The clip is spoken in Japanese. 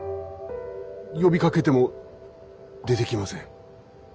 呼びかけても出てきません。